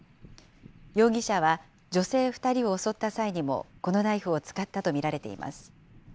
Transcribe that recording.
容疑者は、女性２人を襲った際にも、このナイフを使ったと見られています。